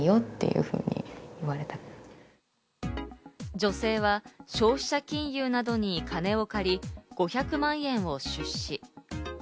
女性は消費者金融などに金を借り、５００万円を出資。